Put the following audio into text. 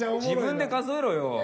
自分で数えろよ。